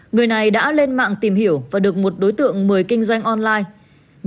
người này đã lên mạng tìm hiểu và được một đối tượng mời kinh doanh online